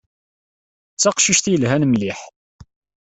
D taqcict ay yelhan mliḥ.